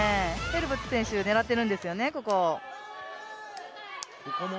ヘルボッツ選手を狙ってるんですよね、ここ。